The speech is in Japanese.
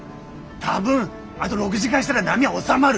多分あど６時間したら波は収まる。